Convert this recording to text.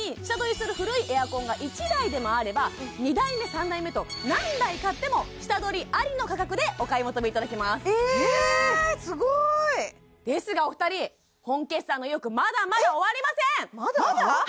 下取りする古いエアコンが１台でもあれば２台目３台目と何台買っても下取りありの価格でお買い求めいただけますええすごいですがお二人本決算の威力まだまだ終わりませんまだ？